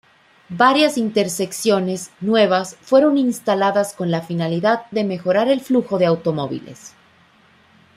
Varias intersecciones nuevas fueron instaladas con la finalidad de mejorar el flujo de automóviles.